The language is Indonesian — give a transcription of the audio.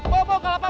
ke depan ke depan